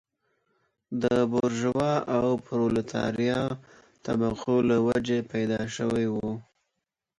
د بورژوا او پرولتاریا طبقو له وجهې پیدا شوی و.